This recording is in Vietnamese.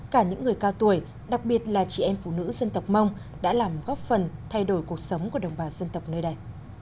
cả những người cao tuổi đặc biệt là chị em phụ nữ dân tộc mông đã làm góp phần thay đổi cuộc sống của đồng bào dân tộc nơi đây